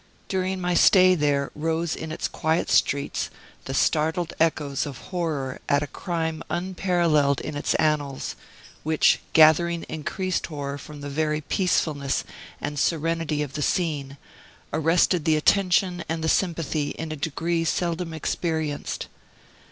During my stay there rose in its quiet streets the startled echoes of horror at a crime unparalleled in its annals, which, gathering increased horror from the very peacefulness and serenity of the scene, arrested the attention and the sympathy in a degree seldom experienced.